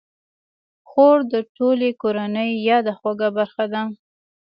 خور د ټولې کورنۍ یاده خوږه برخه ده.